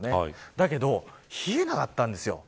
だけど、冷えなかったんですよ。